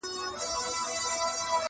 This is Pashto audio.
دصدقېجاريېزوردیتردېحدهپورې,